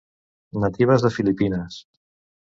Natives de Filipines.